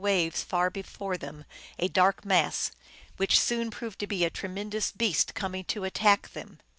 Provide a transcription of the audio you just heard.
waves far before them a dark mass, which soon proved to be a tremendous beast coming to attack them.